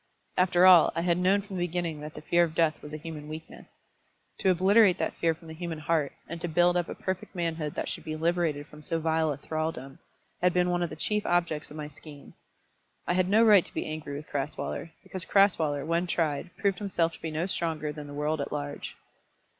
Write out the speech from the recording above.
After all, I had known from the beginning that the fear of death was a human weakness. To obliterate that fear from the human heart, and to build up a perfect manhood that should be liberated from so vile a thraldom, had been one of the chief objects of my scheme. I had no right to be angry with Crasweller, because Crasweller, when tried, proved himself to be no stronger than the world at large.